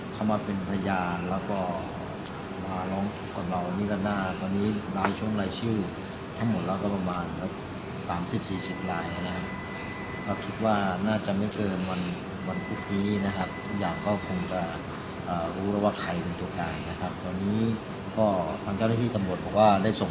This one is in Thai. ทุกอย่างก็คงจะรู้แล้วว่าใครคือตัวการนะครับตอนนี้ก็ครั้งเจ้าเรื่องที่ก็หมดบอกว่าได้ส่ง